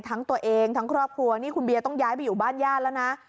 ทั้งตัวเองทั้งครอบครัวนี่คุณเบียต้องย้ายไปอยู่บ้านญาติแล้วนะ